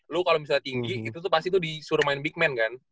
lo kalau misalnya tinggi itu tuh pasti tuh disuruh main big man kan